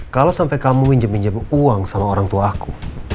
kalau sampai kamu minjem pinjam uang sama orang tua aku